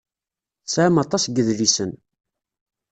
Tesɛam aṭas n yidlisen.